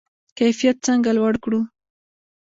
کیفیت څنګه لوړ کړو؟